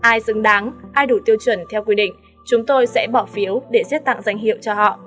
ai xứng đáng ai đủ tiêu chuẩn theo quy định chúng tôi sẽ bỏ phiếu để xét tặng danh hiệu cho họ